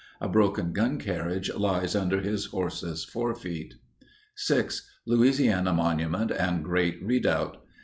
A broken gun carriage lies under his horse's forefeet. 6. LOUISIANA MONUMENT AND GREAT REDOUBT.